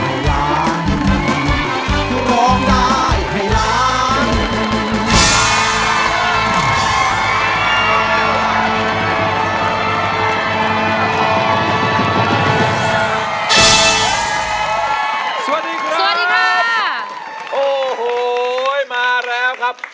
โอ้โหโหมาแล้วครับ